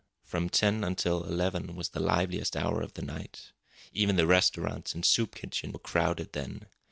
From ten until eleven was the liveliest hour of the night. Even the restaurants and soup kitchens were crowded then.